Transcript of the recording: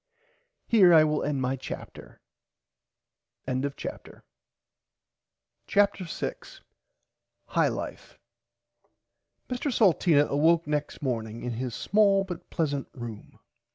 Here I will end my chapter. [Pg 59] CHAPTER 6 HIGH LIFE Mr Salteena awoke next morning in his small but pleasant room.